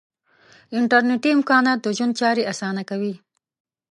انټرنیټي امکانات د ژوند چارې آسانه کوي.